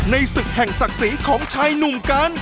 ศึกแห่งศักดิ์ศรีของชายหนุ่มกัน